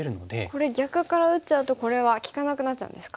これ逆から打っちゃうとこれは利かなくなっちゃうんですか。